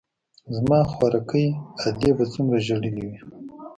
زما خواركۍ ادې به څومره ژړلي وي.